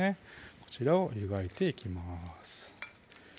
こちらを湯がいていきます